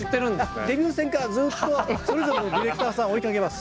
デビュー戦からずっとそれぞれのディレクターさん追いかけます。